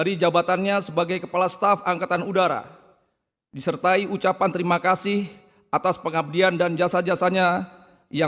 raya kebangsaan indonesia raya